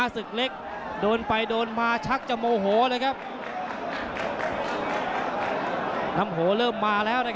สนุกเลยครับแม่สถานการณ์หมดยก